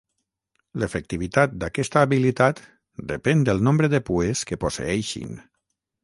L'efectivitat d'aquesta habilitat depèn del nombre de pues que posseeixin.